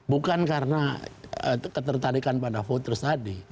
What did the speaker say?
bukan karena ketertarikan pada voters tadi